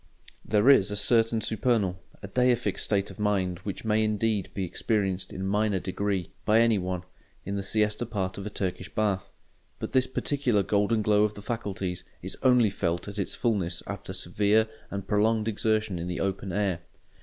There is a certain supernal, a deific, state of mind which may indeed be experienced in a minor degree, by any one, in the siesta part of a Turkish bath. But this particular golden glow of the faculties is only felt at its fulness after severe and prolonged exertion in the open air.